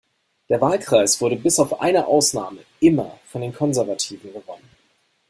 Der Wahlkreis wurde bis auf eine Ausnahme immer von den Konservativen gewonnen.